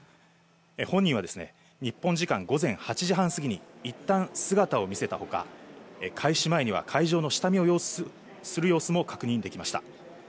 本人はですね、日本時間午前８時半過ぎにいったん姿を見せたほか、開始前には会場の下見をする様子も確認できました。